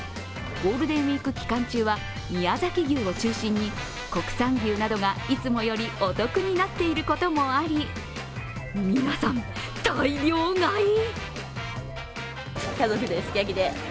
ゴールデンウイーク期間中は宮崎牛を中心に国産牛などが、いつもよりお得になっていることもあり、皆さん、大量買い。